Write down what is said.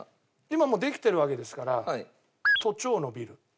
今もうできてるわけですから都庁のビル。